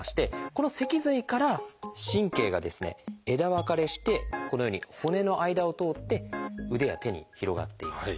この脊髄から神経がですね枝分かれしてこのように骨の間を通って腕や手に広がっています。